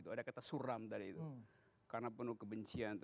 ada kata suram tadi itu karena penuh kebencian